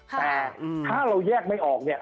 แต่ถ้าเราแยกไม่ออกเนี่ย